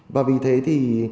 và vì thế thì